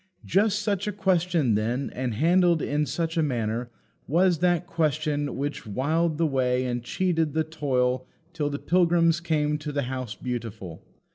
Just such a question, then, and handled in such a manner, was that question which whiled the way and cheated the toil till the pilgrims came to the House Beautiful.